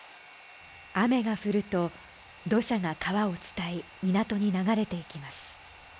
雨が降ると、土砂が川を伝い、港に流れていきます。